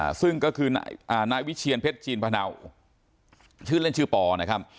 ซึ่งก็คือนายอ่านายวิเชียนเพชรจีนพะเนาชื่อเล่นชื่อปอนะครับ